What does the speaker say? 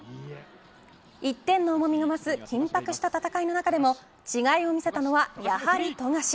１点の重みが増す緊迫した戦いの中でも違いを見せたのは、やはり富樫。